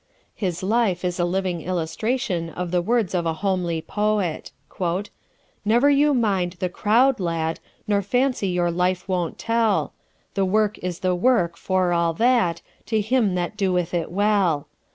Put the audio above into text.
His life is a living illustration of the words of a homely poet: "Never you mind the crowd, lad, Nor fancy your life won't tell; The work is the work for all that, To him that doeth it well.